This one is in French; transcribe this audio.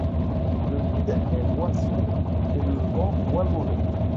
Le vide était moins sombre et le vent moins mauvais.